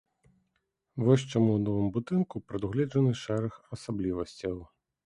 Вось чаму ў новым будынку прадугледжаны шэраг асаблівасцяў.